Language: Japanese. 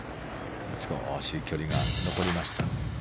少し距離は残りました。